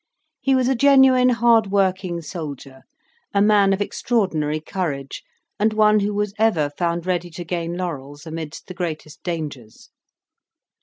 He was a genuine hard working soldier, a man of extraordinary courage, and one who was ever found ready to gain laurels amidst the greatest dangers.